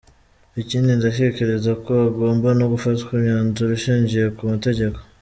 Ikindi ndatekereza ko hagomba no gufatwa imyanzuro ishingiye ku mategeko.